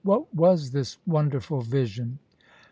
What was this wonderful vision?"